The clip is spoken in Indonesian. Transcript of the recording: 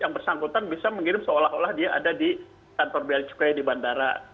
kemudian bisa mengirim seolah olah dia ada di kantor biaya cukai di bandara